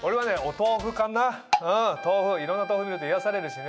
豆腐いろんな豆腐見ると癒やされるしね。